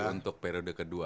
untuk periode kedua